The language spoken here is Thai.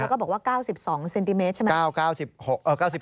แล้วก็บอกว่า๙๒เซนติเมตรใช่ไหม